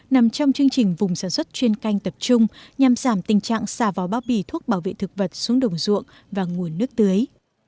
nằm trong chương trình vùng sản xuất chuyên canh tập trung nhằm giảm tình trạng xà vỏ bao bì thuốc bảo vệ thực vật xuống đồng ruộng và nguồn nước tưới